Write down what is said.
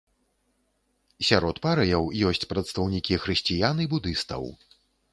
Сярод парыяў ёсць прадстаўнікі хрысціян і будыстаў.